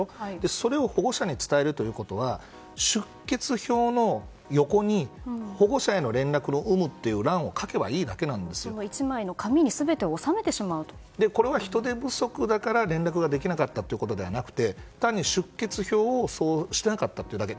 それを保護者に伝えることは出欠票の横に保護者への連絡の有無という欄を１枚の紙に全てをこれは人手不足だから連絡ができなかったというわけではなく単に出欠表をそうしなかったというだけ。